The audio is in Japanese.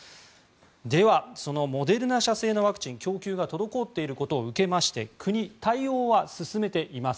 ではそのモデルナ社製のワクチン供給が滞っていることを受けまして国、対応は進めています。